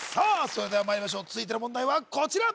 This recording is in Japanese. それではまいりましょう続いての問題はこちら